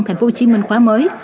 thành phố hồ chí minh khóa mới